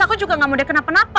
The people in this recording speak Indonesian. aku juga gak mau dia kena penapa